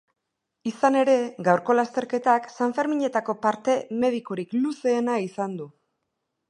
Izan ere, gaurko lasterketak sanferminetako parte medikorik luzeena izan du.